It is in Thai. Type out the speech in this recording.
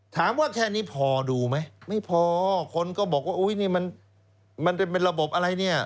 แค่นี้พอดูไหมไม่พอคนก็บอกว่าอุ้ยนี่มันเป็นระบบอะไรเนี่ย